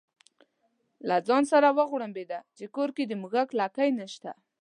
له ځانه سره وغړمبېده چې کور کې د موږک لکۍ نشته.